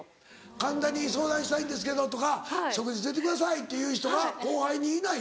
神田に「相談したいんですけど」とか「食事連れてってください」っていう人が後輩にいないの？